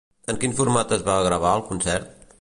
En quin format es va gravar el concert?